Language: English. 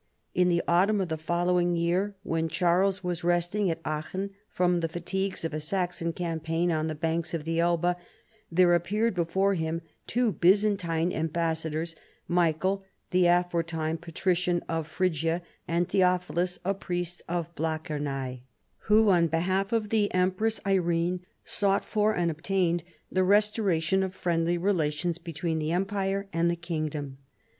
In the autumn of the following year, when Charles was resting at Aachen from the fatigues of a Saxon campaign on the banks of the Elbe, there appeared before him two Byzan tine ambassadors, Michael, aforetime Patrician of Phrygia, and Theophilus, a priest of Blachernae, who, on behalf of the Empress Irene, sought for and obtained the restoration of friendly relations between the empire and the kingdom.